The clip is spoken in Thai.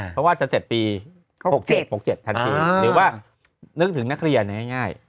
เพราะว่าจะเสร็จปีหกเจ็ดหกเจ็ดอ่าหรือว่านึกถึงนักเรียนง่ายง่าย